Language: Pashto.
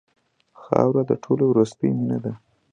خاوره د ټولو وروستۍ مینه ده.